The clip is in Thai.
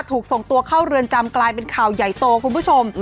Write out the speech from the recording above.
ถูกส่งตัวเข้าเรือนจำกลายเป็นข่าวใหญ่โตคุณผู้ชม